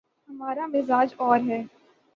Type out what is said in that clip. ہمارامزاج اور ہے۔